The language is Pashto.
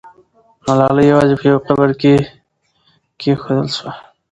ملالۍ یوازې په یو قبر کې کښېښودل سوه.